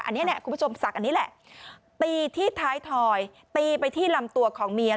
อันนี้เนี่ยคุณผู้ชมศักดิ์อันนี้แหละตีที่ท้ายถอยตีไปที่ลำตัวของเมีย